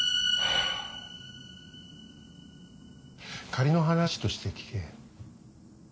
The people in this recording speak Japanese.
仮の話として聞け。